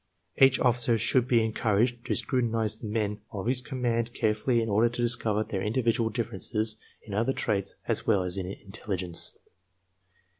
Each officer should be encouraged to scrutinize the men of his com mand carefully in order to discover their individual differences in other traits as well as in intelligence.